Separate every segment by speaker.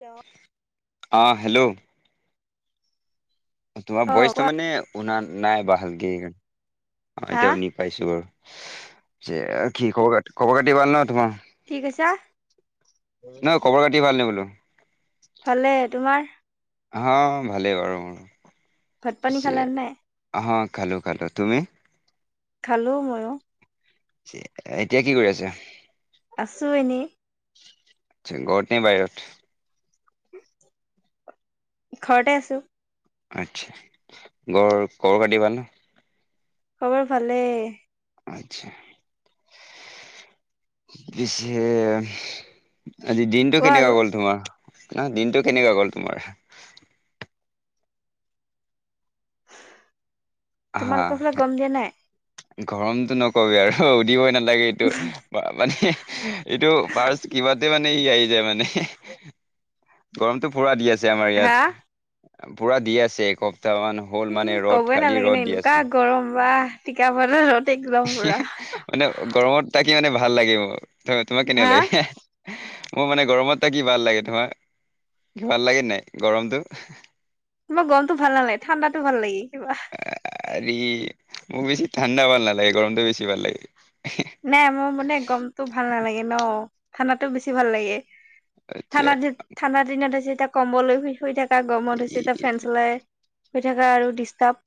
Speaker 1: Hello
Speaker 2: আহ hello তোমাৰ
Speaker 1: অ
Speaker 2: ভইচটো
Speaker 1: কোৱা
Speaker 2: মানে শুনা নাই ভালকে সেইকাৰণে
Speaker 1: হা
Speaker 2: এতিয়া শুনিপাইছো বাৰু যে কি খবৰ ক খবৰ খাটি ভাল ন তোমাৰ
Speaker 1: কি কৈছা
Speaker 2: নহয় খবৰ খাটি ভাল নে বোলো
Speaker 1: ভালে তোমাৰ
Speaker 2: আহ ভালেই বাৰু মোৰ।
Speaker 1: ভাত পানী
Speaker 2: পিছে
Speaker 1: খালা নাই
Speaker 2: আহ খালোঁ খালোঁ তুমি?
Speaker 1: খালো ময়ো।
Speaker 2: এতিয়া কি কৰি আছে?
Speaker 1: আছো এনেই।
Speaker 2: আ ঘৰ নে বাহিৰত
Speaker 1: ঘৰতে আছো
Speaker 2: আচ্ছা ঘৰ কৰবাত দিবানে
Speaker 1: খবৰ ভালেই
Speaker 2: আচ্ছা পিছে [unintelligible] আজি দিনটো
Speaker 1: কোৱা
Speaker 2: কেনেকোৱা
Speaker 1: আৰু
Speaker 2: গ'ল তোমাৰ ন দিনটো কেনেকোৱা গ'ল তোমাৰ
Speaker 1: তোমাৰ
Speaker 2: হা
Speaker 1: কছল গম দে নাই?
Speaker 2: গৰমটো নকবি আৰু সোধিবই নালা লাগে এইটো মানে এইটো পাৰ্চ কিবা ততে মানে ই আহি যায় মানে এহে হে, গৰমটো পুৰা দি আছে আমাৰ
Speaker 1: হা
Speaker 2: ইয়াত। পূৰা দি আছে একপ
Speaker 1: উম ক'বই নালাগে ন এনেকুৱা
Speaker 2: আছে
Speaker 1: গৰম বা টিকা ফতা ৰ'দ একদম
Speaker 2: হি
Speaker 1: পুৰা
Speaker 2: হি মানে গৰমত থাকি মানে ভাল লাগে মোৰ, তোমাক কেনেকোৱা
Speaker 1: হা
Speaker 2: লাগে হে হে? মোৰ মানে গৰমত এটা কি ভাল লাগে তোমাৰ, কি ভাল লাগে নাই গৰমটো?
Speaker 1: মোক গৰমটো ভাল নালাগে, ঠাণ্ডাটো ভাল লাগী।
Speaker 2: এৰি মোক বেছি ঠাণ্ডা ভাল নালাগে, গৰমটো বেছি ভাল লাগে।
Speaker 1: নাই মোৰ মানে গৰমটো ভাল নালাগে ন, ঠাণ্ডাটো বেছি ভাল লাগে।
Speaker 2: আচ্ছা
Speaker 1: ঠাণ্ডা দিন ঠাণ্ডা দিনত আছে এতিয়া কম্বলৈ শুই থাক। এটা গৰমত হৈছে এটা ফেন চলাই, হৈ থকা আৰু ডিষ্টাৰ্ব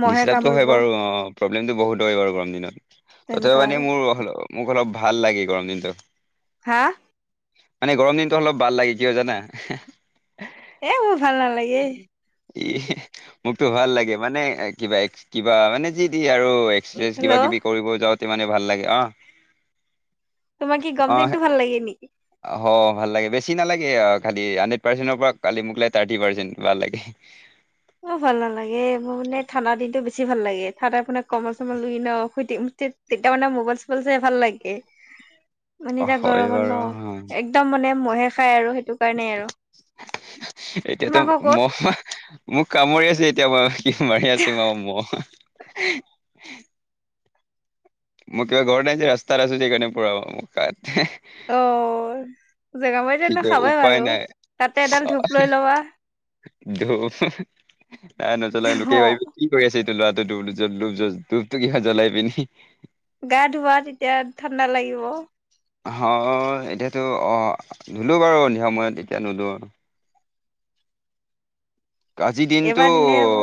Speaker 1: মহে
Speaker 2: ডিষ্টাবটো হয়
Speaker 1: কামুৰিব
Speaker 2: বাৰু অ প্ৰব্লেমটো বহুত হয় বাৰু গৰম দিনত। তথাপি
Speaker 1: তেনেকুৱা
Speaker 2: মানে
Speaker 1: আৰু
Speaker 2: মোৰ মোক অলপ ভাল লাগে গৰম দিনটো।
Speaker 1: হা!
Speaker 2: মানে গৰম দিনটো অলপ ভাল লাগে কিয় জানা?
Speaker 1: এ মোৰ ভাল নালাগে।
Speaker 2: ই মোকতো ভাল লাগে মানে কিবা কিবা মানে যি দি আৰু কিবা
Speaker 1: হেল্ল'
Speaker 2: কিবি কৰিব যাওঁতে মানে ভাল লাগে অ।
Speaker 1: তোমাক কি গৰম
Speaker 2: অ
Speaker 1: দিনটো ভাল লাগে নেকি?
Speaker 2: অ ভাল লাগে বেছি নালাগে আহ খালি হাণ্ড্ৰেড পাৰ্চেণ্টৰ পৰা কালি মোক এটা টি পাৰ্চেন ভাল লাগে।
Speaker 1: অ ভাল নালাগে মোৰ মানে ঠাণ্ডা দিনটো বেছি ভাল লাগে, ঠাণ্ডা আপোনাক কমল চম্বল লুই ন শুই থাকিম। তেত তেতিয়া মানে মোবাইল চোবাইল চাই ভাল লাগে। মানে
Speaker 2: অ
Speaker 1: এতিয়া
Speaker 2: হয়
Speaker 1: গৰমত ন
Speaker 2: বাৰু অ।
Speaker 1: একদম মানে মহে খাই আৰু সেই
Speaker 2: এতিয়াতো
Speaker 1: তোমাক আকৌ
Speaker 2: ম মোক কামৰি আছে এতিয়া মাৰ কি মাৰি আছে মাৰ মহ। মোক কিবা ঘৰ নাই যে ৰাস্তাত আছো যে কনে পুৰা মহ খায়।
Speaker 1: অ। জেগামাৰী
Speaker 2: কি
Speaker 1: তেনে
Speaker 2: ক
Speaker 1: খাবেই
Speaker 2: উপায়
Speaker 1: বাৰু,
Speaker 2: নাই
Speaker 1: তাতে এডাল ধূপ লৈ ল'বা।
Speaker 2: ধূপ নজলা লোকে
Speaker 1: অ
Speaker 2: ভাবি কি কৰি আছে? ল ডুবুব [inaudible] ধূপটো কহা জ্বলাই পিনি
Speaker 1: গা ধোৱা তেতিয়া ঠাণ্ডা লাগিব।
Speaker 2: অ এতিয়াতো অ ধুলো বাৰু সন্ধিয়া সময়ত এতিয়া নোধো। আজিৰ দিনটো
Speaker 1: এবাৰ দিলে হ'ব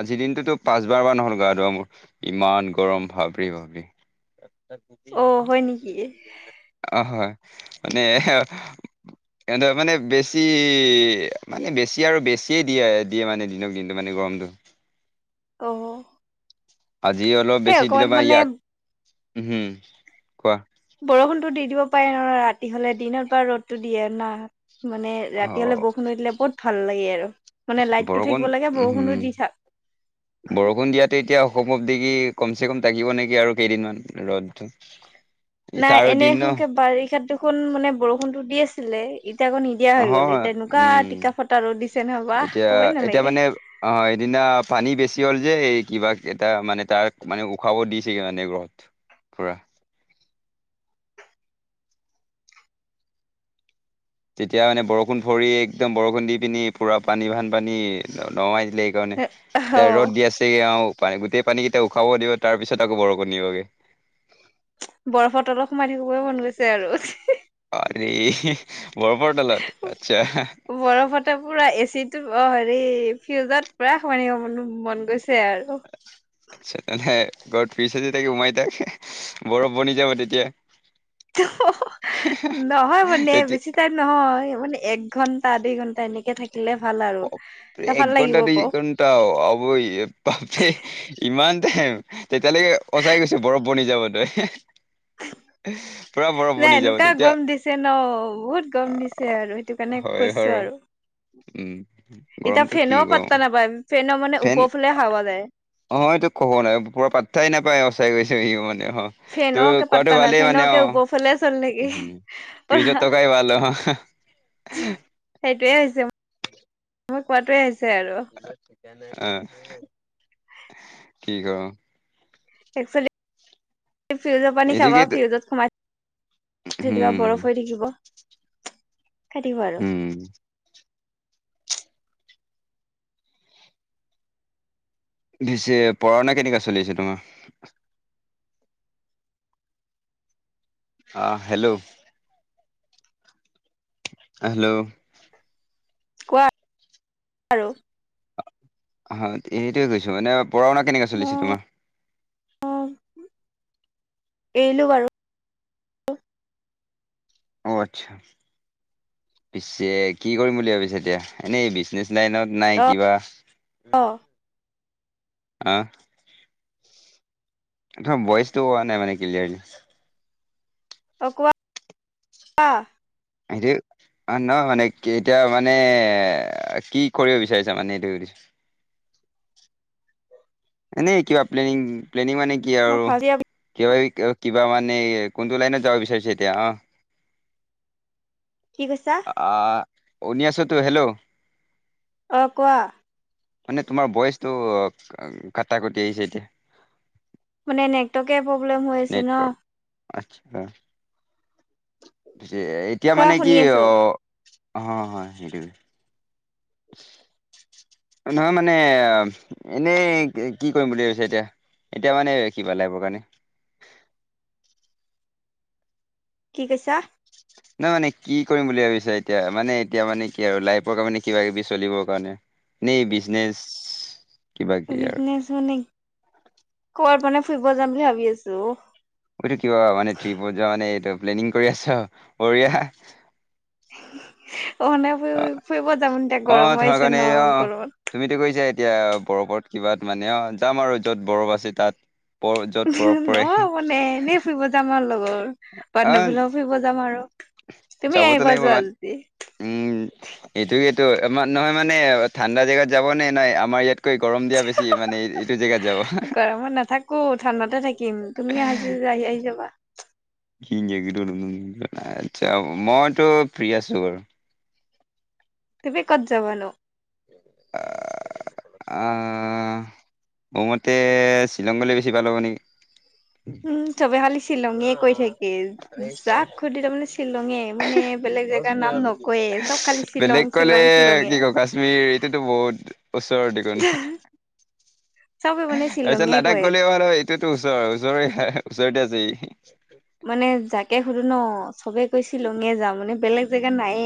Speaker 2: আজি দিনটোতো পাঁচবাৰ বাৰ হ'ল গা ধোৱা মোৰ, ইমান গৰম ভাবৰি ভাবি।
Speaker 1: অ হয় নেকি
Speaker 2: অ হয়, মানে এ মানে বেছি মানে বেছি, আৰু বেছি। কেই দিয়ে দিয়ে মানে দিনক দিনটো মানে গৰমটো।
Speaker 1: আহ।
Speaker 2: আজি অলপ বেছি দিলে বা ইয়াক হুম, কোৱা। [unintelligible]
Speaker 1: বৰষুণতটো দি দিব পাৰে ন ৰাতি হলে দিনত বা ৰ'দো দিয়ে না। মানে ৰাতি হলে
Speaker 2: অ'
Speaker 1: বৰষুণো দিলে বহুত ভাল লাগে আৰু, মানে লাইটটো
Speaker 2: বৰষুণ
Speaker 1: থাকিব লাগে বৰষুণো
Speaker 2: উম
Speaker 1: দি থাক।
Speaker 2: বৰষুণ দিয়াতে এতিয়া অসম [inaudible] অব্ধি কি কম চে কম থাকিব নেকি আৰু কেইদিনমান ৰ'দ।
Speaker 1: নাই এনে সকে বাৰিষা দেখোন মানে বৰষুণতো দি আছিলে। এতিয়া আকৌ নিদিয়া হৈ গ'ল।
Speaker 2: হয়
Speaker 1: এতিয়া এনেকুৱা
Speaker 2: উম
Speaker 1: টিকা ফটা ৰ'দ দিছে নহবা কবই নালাগে।
Speaker 2: দিনা পানী বেছি হ'ল। যে কিবা এটা মানে তাক মানে উশাব দিছেগে মানে ঘৰত পুৰা। তেতিয়া মানে বৰষুণ ভৰি একদম বৰষুণ দি পিনি পুৰা পানী ভান পানী নমাই দে সেইকাৰণে
Speaker 1: অ
Speaker 2: ৰ'দ দি আছে আৰু পানে গোটেই। পানীকেইটা উখাব দিব তাৰ পিছত আকৌ বৰষুণ দিবগে।
Speaker 1: বৰফত অলপ সোমাই থাকিব মন গৈছে আৰু।
Speaker 2: আৰে বৰফৰ তলত আচ্ছা
Speaker 1: বৰফতে পুৰা এচি। অ হেৰি ফিউজত পায় সমান মন গৈছে আৰু।
Speaker 2: আচ্ছা তেনে ঘৰত পিচ তাকে উমাই থাক বৰফ বনি যাব তেতিয়া।
Speaker 1: নহয় মানে
Speaker 2: তেতিয়া
Speaker 1: বেছি টাইমই নহয়। মানে এক ঘণ্টা দুই ঘণ্টা এনেকে থাকিলে ভাল আৰু। ত
Speaker 2: এক
Speaker 1: ভাল
Speaker 2: ঘণ্টা
Speaker 1: লাগিব
Speaker 2: দুই
Speaker 1: ক
Speaker 2: ঘণ্টা অবৈ পাপ ইমান টাইম। তেতিয়ালৈকে সওচাই গৈছে বৰফ বনি যাব তয়।
Speaker 1: [inaudible] নাই
Speaker 2: যাব
Speaker 1: এনেকুৱা
Speaker 2: তেতিয়া
Speaker 1: গম দিছে ন বহুত গম দিছে আৰু সেইটো কাৰণে
Speaker 2: হয়
Speaker 1: কৈছো।
Speaker 2: হয়
Speaker 1: বাৰু।
Speaker 2: উম।
Speaker 1: এতিয়া
Speaker 2: গৰমটো কি
Speaker 1: ফেনও
Speaker 2: কম
Speaker 1: পাত্তা নাপায় ফেন মানে ওপৰফালে হাৱা যায়।
Speaker 2: অ এইটো ক'ব নাই পুৰা পাত্থাই নাপায় সচাই গৈছোহি মানে আৰু। [unintelligible] অ ত
Speaker 1: ফেনকে
Speaker 2: কোৱাটো
Speaker 1: পাত্তা নাই
Speaker 2: ভালেই মানে অ,
Speaker 1: ফেনকে ওপৰফালে চলি
Speaker 2: উ
Speaker 1: থাকে পুৰা
Speaker 2: ফ্ৰিজত থকাই ভাল অ।
Speaker 1: সেইটোয়ে হৈছে, মই কোৱাটোৱে হৈছে আৰু।
Speaker 2: আহ কি কম
Speaker 1: একচলি। ফিউজৰ পানী খাবা
Speaker 2: এইটোকেতো
Speaker 1: ফ্ৰীউজত সোমাই তেতিয়া
Speaker 2: উম
Speaker 1: বৰফ হৈ থাকিব। খাই থাকিবা আৰু
Speaker 2: উম। পিছে পঢ়া শুনা কেনেকা চলি আছে তোমাৰ। আহ হেল্ল'। হেল্ল'।
Speaker 1: কোৱা, আৰু।
Speaker 2: আহ সেইটোয়ে কৈছো এনে পঢ়া শুনা কেনেকে চলিছে
Speaker 1: মই
Speaker 2: তোমাৰ।
Speaker 1: এৰিলো বাৰু।
Speaker 2: অ আচ্ছা। পিছে কি কৰিম বুলি ভাবিছে এতিয়া এনেই বিজনেচ লাইনত নাই
Speaker 1: অ
Speaker 2: কিবা।
Speaker 1: অ।
Speaker 2: আহ। তাৰ ভইচটো হোৱা নাই মানে ক্লিয়াৰলি।
Speaker 1: অকৱ। [unintelligible]
Speaker 2: সটো অ নহ মানে এতিয়া মানে কি কৰিব বিচাৰিছা মানে এইটো হুদিছো। [unintelligible]
Speaker 1: [inaudible]
Speaker 2: এনেই
Speaker 1: মই ফাৰ্ষ্ট ইয়েৰ
Speaker 2: কিবা মানে কোনটো লাইনত যাব বিচাৰিছে এতিয়া অ।
Speaker 1: কি কৈছা?
Speaker 2: আহ উ শুনি আছ টো হেল্ল'
Speaker 1: অ কোৱা
Speaker 2: মানে তোমাৰ ভইচটো কটা কটি আহিছে এতিয়া।
Speaker 1: মানে নেটৱৰ্কে প্ৰব্লেম হৈ আছে ন।
Speaker 2: নেটৱৰ্ক আচ্ছা এতিয়া
Speaker 1: কোৱা
Speaker 2: মানে কি
Speaker 1: শুনি আছো।
Speaker 2: অ অ হয় সেইটোৱে [inaudible] নহয় মানে এনেই কি কৰিম বুলি ভাবিছে এতিয়া এতিয়া মানে কিবা লাগিব কাৰণে
Speaker 1: [inaudible] কি কৈছা
Speaker 2: নহয় মানে কি কৰিম বুলি ভাবিছা এতিয়া মানে এতিয়া মানে কি আৰু লাইফৰ কাৰে কিবা কিবি চলিবৰ কাৰণে [unintelligible] এনেই বিজনেছ
Speaker 1: নেছ মানে কৰাত মানে ফুৰিব যাম বুলি ভাবি আছো অ
Speaker 2: এইটো কিবা মানে ট্ৰিপত যোৱা মানে এইটো প্লেনিং কৰি আছ বহিয়া
Speaker 1: অহনে ফুৰি ফুৰিব যাম এতিয়া
Speaker 2: অ
Speaker 1: গৰমো
Speaker 2: তোমাৰ
Speaker 1: আহিছে
Speaker 2: কাৰণে
Speaker 1: ন
Speaker 2: অ
Speaker 1: গৰমত
Speaker 2: তুমিতো কৈছা এতিয়া বৰফত কিবা মানে অ যাম আৰু য'ত বৰফ আছে তাত বৰ য'ত বৰফ
Speaker 1: ন
Speaker 2: পৰে
Speaker 1: মানে ন এনেই ফুৰিব যাম আৰু লগৰ
Speaker 2: আহ
Speaker 1: বান্ধৱীবিলাকো ফুৰিব যাম আৰু তুমি
Speaker 2: যাবতো
Speaker 1: আহিবা
Speaker 2: লাগিব
Speaker 1: যোৱা
Speaker 2: বাট
Speaker 1: যদি।
Speaker 2: উম এইটো ত নহয় মানে ঠাণ্ডা জেগাত যাব নে নহ আমাৰ ইয়াত গৰম দিয়া বেছি মানে এইটো জেগাত যাব।
Speaker 1: গৰমত নাথাকো য আহি আহি যাবা
Speaker 2: আচ্ছা মইতো ফ্ৰী আছো বাৰু
Speaker 1: তুমি ক'ত যাবানো?
Speaker 2: আহ মোৰ মতে শ্বিলঙলৈ বেছি ভাল হব নেকি?
Speaker 1: উম চবে খালি শ্বিলঙয় কৈ থাকে যাক শুদিলো তাৰমানে শ্বিলঙে। মানে বেলেগ জেগাৰ নাম নকয়ে চব খালি
Speaker 2: বেলেগ
Speaker 1: শ্বিলং
Speaker 2: ক'লে
Speaker 1: শ্বিলং শ্বিলঙে।
Speaker 2: কি ক কাশ্মীৰ এইটোতো বহুত ওচৰৰ দেকোন
Speaker 1: চবে
Speaker 2: তাৰ
Speaker 1: মানে
Speaker 2: পিছত
Speaker 1: শ্বিলঙে
Speaker 2: লাডখ
Speaker 1: কয়
Speaker 2: গ'লেও হ'ল এইটোত ওচৰ ওচৰ ওচৰতে আছে।
Speaker 1: মানে যাকে সুধো ন চবে কৈ শ্বিলঙীয়ে যাম মানে বেলেগ জেগা নায়ে।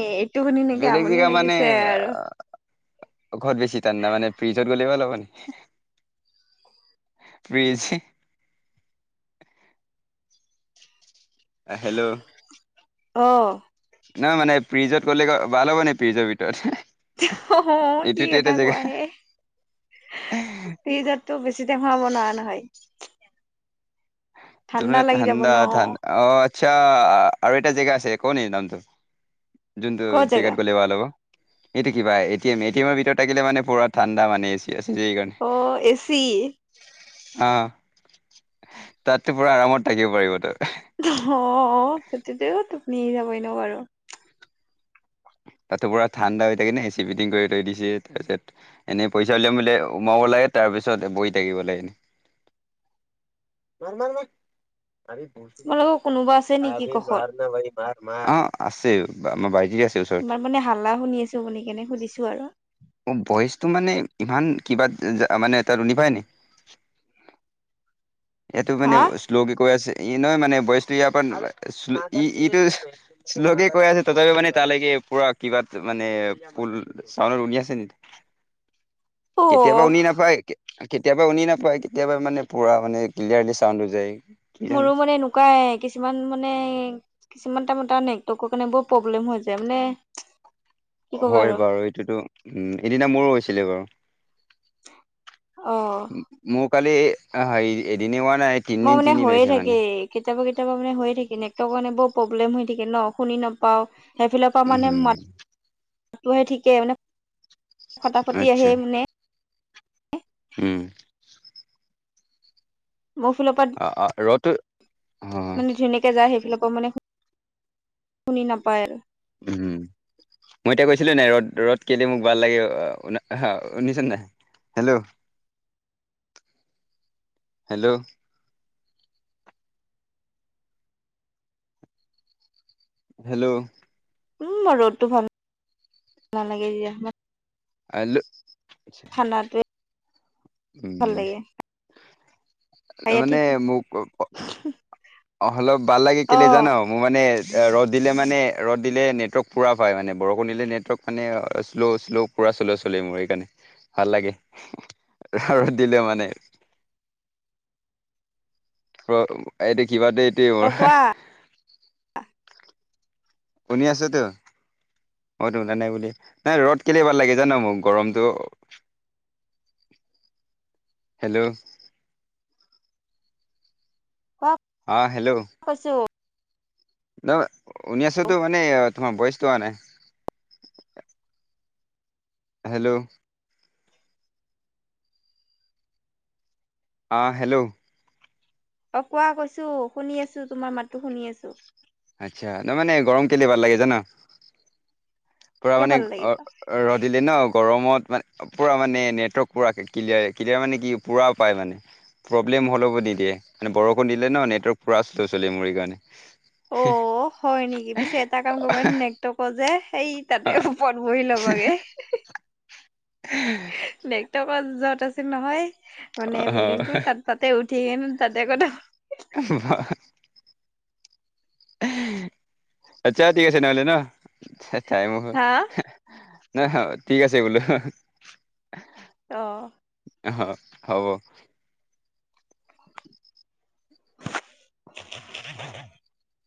Speaker 1: শুনি নেকি
Speaker 2: বেলেগ
Speaker 1: আমনি
Speaker 2: জেগা মানে
Speaker 1: লাগিছে আৰু
Speaker 2: ঘৰত বেছি ঠান্ডা মানে ফ্ৰিজত গ'লে ভাল হ ফ্ৰীজ আহ হেল্ল'
Speaker 1: অ
Speaker 2: নহয় মানে ফ্ৰিজত গ'লে ভাল হ'ব নে ফ্ৰিজৰ ভিতৰত।
Speaker 1: অ কি
Speaker 2: এইটোতো এটা
Speaker 1: কথা
Speaker 2: জেগা
Speaker 1: কোৱা হে? ফ্ৰীজত টো বেছি টাইম সোমাব নোৱাৰা নহয়। লাগি যাব
Speaker 2: ঠাণ্ডা
Speaker 1: ন
Speaker 2: ঠান অ আৰ্টচা আৰু এটা জেগা আছে। কও নি নামটো জুনটো
Speaker 1: ক'ত
Speaker 2: জেগাত
Speaker 1: জেগা
Speaker 2: গলে ভাল হব। এইটো কিবা এট এম এ টি এমৰ ভিতৰত থাকিলে মানে পুৰা ঠাণ্ডা মানে। এচি আছে যে সেইকাৰণে
Speaker 1: অ এচি
Speaker 2: অ তাতো পুৰা আৰামত থাকিব পাৰিব তই।
Speaker 1: অ সেইটোটোও টোপনি আহ যাবই ন
Speaker 2: তাতো পুৰা ঠাণ্ডা হৈ থাকে নে চি পিটিং কৰি থৈ দিছে তাৰ পিছত এনেই পইচা উলিয়াম সোমাব লাগে তাৰ পিছত বহি থাকিব লাগে।
Speaker 1: [unintelligible]
Speaker 2: মাৰ মাৰ আমি বছোমি
Speaker 1: তোমালোকৰ কোনোবা আছে নেকি কাষত
Speaker 2: মাৰ ন ভাই মাৰ মাৰ আছে বা মই বাইকে আছে। ওচৰত
Speaker 1: ইমান মানে হাল্লা শুনি আছোঁ শুনি কেনে সুধিছোঁ আৰু।
Speaker 2: অ ভইচটো মানে ইমান কিবা মানে এটা শুনি পায় নে।
Speaker 1: [inaudible]
Speaker 2: ইয়াতো
Speaker 1: হা
Speaker 2: মানে শ্লকে কৈ আছে। ই নহয় মানে বইচটো ইয়াৰ পৰা শ্ল' ই ইটো শ্লকে কৈ আছে তথাপি মানে তালৈকে। [unintelligible] পুৰা কিবাত মানে ফুল চাউনত শুনি আছে নি।
Speaker 1: অ
Speaker 2: কেতিয়াবা শুনি নাপায় কেতিয়াবা শুনি নাপায় কেতিয়াবা মানে পুৰা মানে। ক্লিয়াৰলি চাউণ্ড টো যায়। কি জানো
Speaker 1: মোৰো মানে এনেকুৱাই কিছুমান মানে। কিছুমান টাইমত নেটৱৰ্কৰ কাৰণে বৰ প্ৰব্লেম হৈ যায় মানে। কি ক'বা
Speaker 2: হয়
Speaker 1: আৰু
Speaker 2: বাৰু এইটোতো উম এদিনা মোৰো হৈছিলে বাৰু।
Speaker 1: অ
Speaker 2: মোৰ কালি হেৰি এদিন এদিন হোৱা নাই তিনি
Speaker 1: মই
Speaker 2: দিন
Speaker 1: মানে
Speaker 2: তিনি দিন
Speaker 1: হৈয়ে
Speaker 2: হৈছে
Speaker 1: থাকে
Speaker 2: মানে।
Speaker 1: কেতিয়াবা কেতিয়াবা মানে হৈয়ে থাকে। নেটৱৰ্ক কাৰণে বৰ প্ৰব্লেম হৈ থাকে ন শুনি নাপাওঁ। সেইফালৰ পৰা মানে
Speaker 2: উম
Speaker 1: মাত মাতটোহে ঠিকেই মানে। ফটাফটি আহে
Speaker 2: আচ্ছা
Speaker 1: মানে।
Speaker 2: উম।
Speaker 1: মোৰ ফালৰ পৰা
Speaker 2: ৰ'দটো অ
Speaker 1: মানে ধুনীয়াকে যায় সেই। সেইফালৰ পৰা মানে শুনি নাপায় আৰু।
Speaker 2: উম মই এতিয়া কৈছিলোঁ নাই ৰ'দ ৰ'দ কেলে মোক ভাল লাগে আহ শুনিছা নে নাই। হেল্ল'।
Speaker 1: [inaudible]
Speaker 2: হেল্ল'। হেল্ল'।
Speaker 1: উম মই ৰ'দটো ভাল নালাগে দিয়া।
Speaker 2: হেল্লো।
Speaker 1: খানাটোৱে। ভাল
Speaker 2: উম
Speaker 1: লাগে। এয়া
Speaker 2: মানে
Speaker 1: ঠিক
Speaker 2: মোক। অলপ ভাল লাগে
Speaker 1: অ
Speaker 2: কেলে জান মোৰ মানে। ৰ'দ দিলে মানে ৰ'দ দিলে নেটৱৰ্ক পুৰা পাই। মানে বৰষুণ দিলে নেটৱৰ্ক মানে শ্ল' শ্ল' পুৰা। [unintelligible] শ্ল চলি মোৰ এইকাৰণে ভাল লাগে আৰু দিলে মানে।
Speaker 1: [inaudible]
Speaker 2: ৰ এতিয়া কিবাতে এইটোৱেই।
Speaker 1: কোৱা অ।
Speaker 2: শুনি আছ ত। মইটো শুনা নাই বুলি নাই ৰ'দ কেলে ভাল লাগে জানো মোক গৰমটো। হেল্ল'।
Speaker 1: কোৱা
Speaker 2: অ হেল্ল'।
Speaker 1: কৈছো
Speaker 2: না শুনি আছটো মানে তোমাৰ ভয়েছটো আহা নাই। হেল্ল'। অ হেল্ল'।
Speaker 1: অ কোৱা কৈছোঁ শুনি আছোঁ তোমাৰ মাতটো শুনি আছোঁ।
Speaker 2: আচ্ছা ত মানে গৰম কেলে বাৰ লাগে জান। [unintelligible] পূৰা
Speaker 1: কিয়
Speaker 2: মানে
Speaker 1: ভাল
Speaker 2: ৰ
Speaker 1: লাগিব
Speaker 2: ৰ'দ দিলে ন গৰমত। মানে পূৰা মানে নেটৱৰ্ক পূৰা ক্লিয়াৰ ক্লিয়াৰ মানে কি পুৰাও পায় মানে। প্ৰব্লেম হ'লে হ'ব নিদিয়ে মানে বৰষুণ দিলে ন নেটৱৰ্ক পুৰা শ্ল' চলে মোৰ এইকাৰণে।
Speaker 1: অ হয় নেকি পিছে এটা কাম কৰিব নেটৱৰ্কৰ যে। সেই
Speaker 2: অ
Speaker 1: তাতে ওপৰত বহি ল'বাগে নেটৱৰ্ক। ক যত আছিল নহয়। মানে
Speaker 2: অ
Speaker 1: বুলি তাত তাতে উঠি কিনো তাতে কথা
Speaker 2: আচ্ছা ঠিক আছে নহ'লে ন টাইম হৈ
Speaker 1: হা
Speaker 2: গল [unintelligible] না হা ঠিক আছে বোলো
Speaker 1: আহ
Speaker 2: হ হব।
Speaker 1: [inaudible]